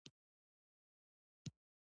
چې ورو، ورو یې